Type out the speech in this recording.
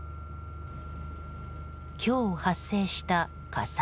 今日発生した火災。